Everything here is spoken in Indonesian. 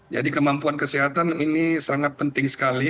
jadi kemampuan kesehatan ini sangat penting sekali